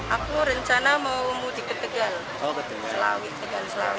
aku rencana mau mudik ke tegal selawik